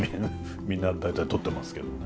みんな大体取ってますけどもね。